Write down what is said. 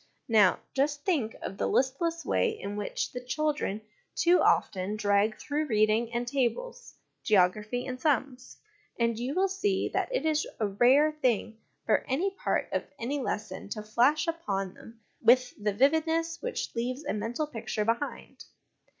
Now, just think of the listless way in which the children too often drag through reading and tables, geography and sums, and you will see that it is a rare thing for any part of any lesson to flash upon them with the vividness which leaves a mental picture behind.